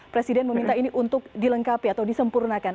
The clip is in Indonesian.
presiden meminta ini untuk dilengkapi atau disempurnakan